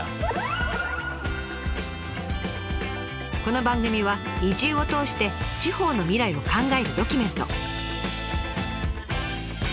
この番組は移住を通して地方の未来を考えるドキュメント。